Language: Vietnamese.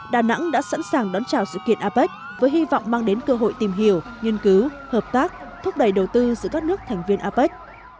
đà nẵng đã sẵn sàng đón chào sự kiện apec với hy vọng mang đến cơ hội tìm hiểu nghiên cứu hợp tác thúc đẩy đầu tư giữa các nước thành viên apec